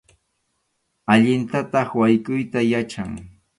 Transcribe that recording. Allintataq waykʼuyta yachan.